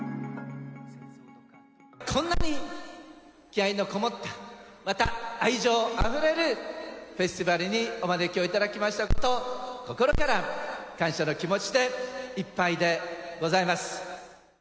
こんなに気合いの込もった、また愛情あふれるフェスティバルにお招きをいただきましたことを、心から感謝の気持ちでいっぱいでございます。